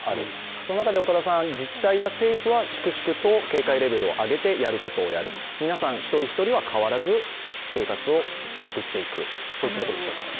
その中で、自治体や政府は粛々と警戒レベルを上げてやることをやる、皆さん一人一人は変わらず生活を送っていくといったことでしょうか？